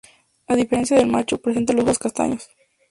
A diferencia del macho, presenta los ojos castaños.